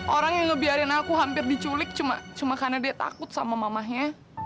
orang yang ngebiarin aku hampir diculik cuma karena dia takut sama mamanya